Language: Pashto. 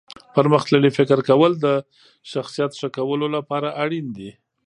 پرمختللي فکر کول د شخصیت ښه کولو لپاره اړین دي.